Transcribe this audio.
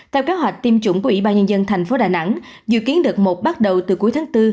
theo kế hoạch tiêm chủng của ủy ban nhân dân tp đà nẵng dự kiến được một bắt đầu từ cuối tháng bốn